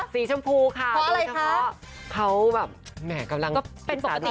สีชมพูค่ะดูเฉพาะเขาแบบเป็นปกติก็ไม่ได้